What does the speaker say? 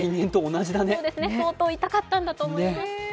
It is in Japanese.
相当痛かったんだと思います。